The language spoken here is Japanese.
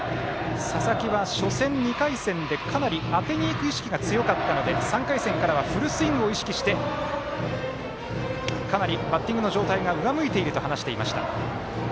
佐々木は、初戦、２回戦でかなり当てにいく意識が強かったので３回戦からはフルスイングを意識してかなりバッティングの状態が上向いていると話していました。